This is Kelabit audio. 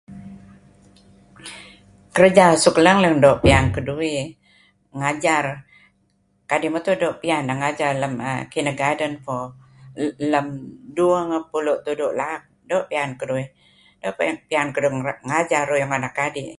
Lukis nuk doo' pian uih ni'er leh kayu' gaber na' kayu' Tuhan Yesus. Kayu' gaber narih sebuleng kayu' ineh leh. Tulu inan Lemulun lukis idi doo' tebey' leh. Kadi' dih rayeh tu'en teh. Lukas narih leh.